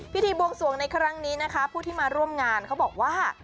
บวงสวงในครั้งนี้นะคะผู้ที่มาร่วมงานเขาบอกว่า